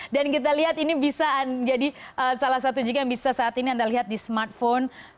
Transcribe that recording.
dan kita lihat ini bisa jadi salah satu juga yang bisa saat ini anda lihat di smartphone